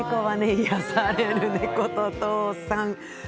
癒やされる「猫と、とうさん」。